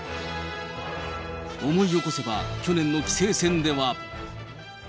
思い起こせば去年の棋聖戦では。